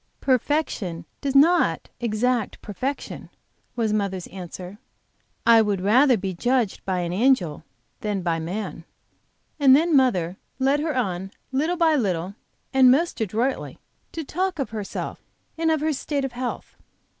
"Perfection does not exact perfection," was mother's answer. "I would rather be judged by an angel than by a man." And then mother led her on, little by little, and most adroitly, to talk of herself and of her state of health.